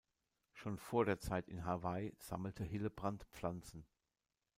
Schon vor der Zeit in Hawaii sammelte Hillebrand Pflanzen.